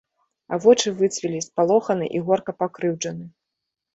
А вочы выцвілі, спалоханы і горка пакрыўджаны.